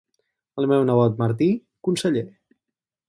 El meu nebot Martí, conseller.